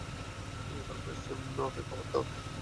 এই বয়েজ, ওকে কাভার দাও।